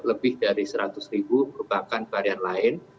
lebih dari seratus ribu merupakan varian lain